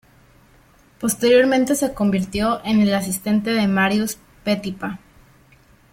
Posteriormente se convirtió en el asistente de Marius Petipa.